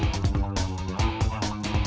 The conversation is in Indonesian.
tidak ada yang bisa dikunci